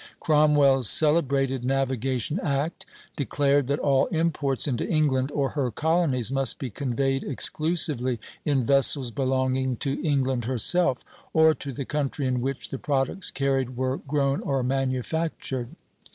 Cromwell's celebrated Navigation Act declared that all imports into England or her colonies must be conveyed exclusively in vessels belonging to England herself, or to the country in which the products carried were grown or manufactured.